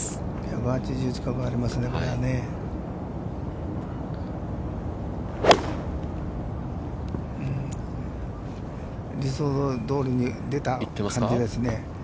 １８０近くありますね、これはね。理想どおりに出た感じですね。